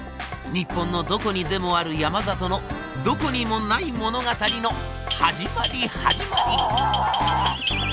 日本のどこにでもある山里のどこにもない物語の始まり始まり。